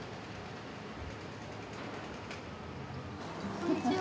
こんにちは！